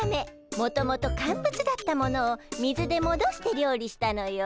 もともと乾物だったものを水でもどして料理したのよ。